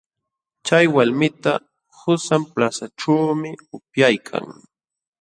Chay walmipa qusan plazaćhuumi upyaykan.